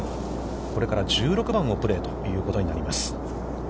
これから１６番をプレーということになります。